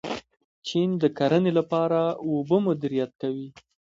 چین د کرنې لپاره اوبه مدیریت کوي.